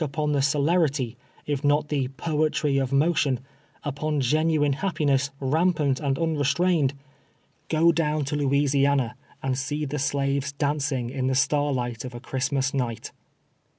upon the celerity, ii" not the " poetry of motion" — upon genuine liaj^piness, rmnpant and unrestrained — go down to Louisiana, and see the shives dancing in the starlight of a Christmas night.